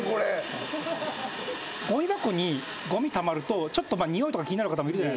ごみ箱にごみたまるとちょっと臭いとか気になる方もいるじゃないですか。